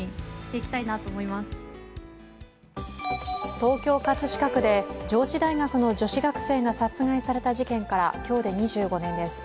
東京・葛飾区で上智大学の女子学生が殺害された事件から今日で２５年です。